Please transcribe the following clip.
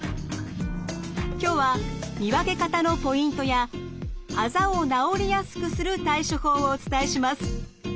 今日は見分け方のポイントやあざを治りやすくする対処法をお伝えします。